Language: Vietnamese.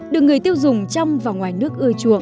được người tiêu dùng trong và ngoài nước ưa chuộng